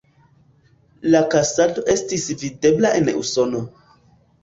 La kaŝado estis videbla en Usono.